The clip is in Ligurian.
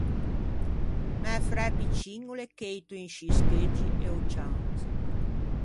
Mæ fræ piccin o l’é cheito in scî scheuggi e o cianze.